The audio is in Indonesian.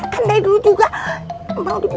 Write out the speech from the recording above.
karena saya sudah terlalu sedih